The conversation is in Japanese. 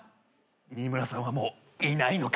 新村さんはもういないのか。